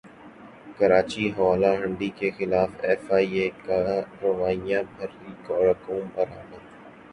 کراچی حوالہ ہنڈی کیخلاف ایف ائی اے کی کارروائیاں بھاری رقوم برامد